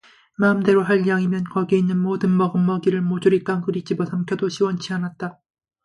마음대로 할 양이면 거기 있는 모든 먹음먹이를 모조리 깡그리 집어삼켜도 시원치 않았다